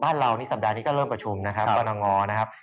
เรานี่สัปดาห์นี้ก็เริ่มประชุมนะครับกรณงนะครับ